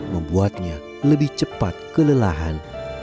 membuatnya lebih cepat kelelahan